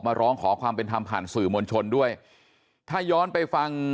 ร้องขอความเป็นธรรมผ่านสื่อมวลชนด้วยถ้าย้อนไปฟัง